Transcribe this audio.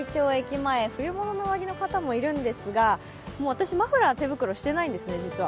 前、冬物の上着の方もいるんですがもう私、マフラー、手袋してないんですね、実は。